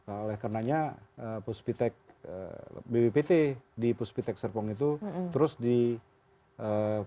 oleh karenanya puspitek bppt di puspitek serpong itu terus dilakukan